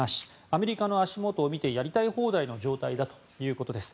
アメリカの足元を見てやりたい放題の状態だということです。